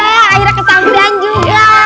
akhirnya kesamberan juga